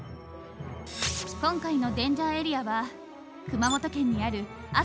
今回のデンジャーエリアは熊本県にある阿蘇の中岳。